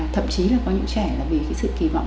thậm chí là có những trẻ là vì cái sự kỳ vọng